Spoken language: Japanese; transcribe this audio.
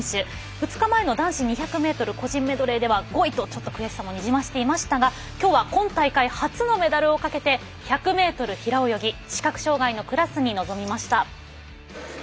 ２日前の男子２００ｍ個人メドレーでは５位と悔しさもにじませていましたがきょうは今大会初のメダルをかけて１００ｍ平泳ぎ視覚障がいのクラスに臨みました。